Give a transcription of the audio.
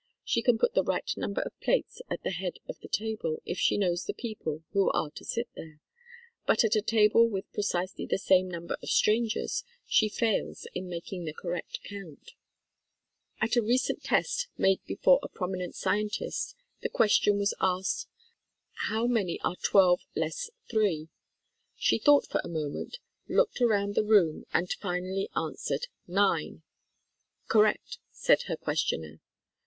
She can put the right number of plates at the head of the table, if she knows the people who are to sit there, but at a table with precisely the same number of stran gers, she fails in making the correct count. At a recent test made before a prominent scientist, the question was asked, "How many are 12 less 3 ?" She thought for a moment, looked around the room and finally answered, "Nine." "Correct," said her ques tioner.